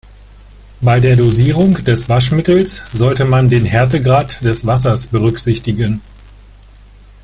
Bei der Dosierung des Waschmittels sollte man den Härtegrad des Wassers berücksichtigen.